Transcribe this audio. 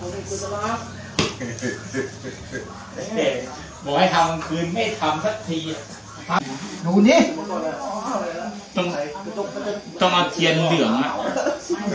บอกให้ทำคืนไม่ทำสักที